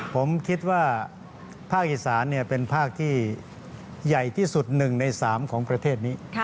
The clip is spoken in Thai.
ผมคิดว่าภาคอีสานเป็นภาคที่ใหญ่ที่สุด๑ใน๓ของประเทศนี้